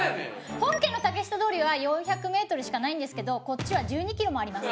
本家の竹下通りは４００メートルしかないんですけどこっちは１２キロもあります。